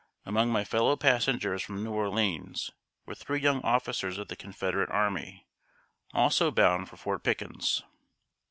Among my fellow passengers from New Orleans were three young officers of the Confederate army, also bound for Fort Pickens.